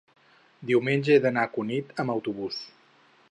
diumenge he d'anar a Cunit amb autobús.